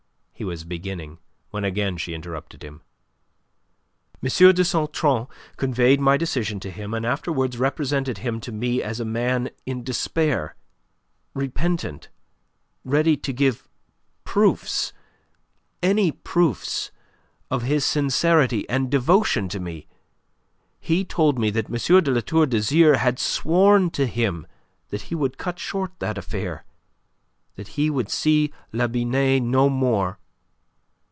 he was beginning, when again she interrupted him. "M. de Sautron conveyed my decision to him, and afterwards represented him to me as a man in despair, repentant, ready to give proofs any proofs of his sincerity and devotion to me. He told me that M. de La Tour d'Azyr had sworn to him that he would cut short that affair, that he would see La Binet no more.